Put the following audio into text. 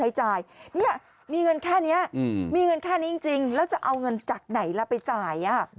ฝากด้วยนะคะประปา